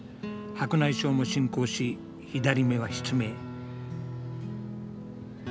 白内障も進行し左目は失明。